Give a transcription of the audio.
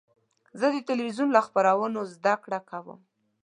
زه د تلویزیون له خپرونو زده کړه کوم.